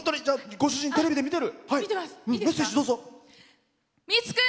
ご主人テレビで見てる？